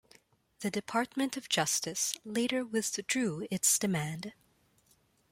The Department of Justice later withdrew its demand.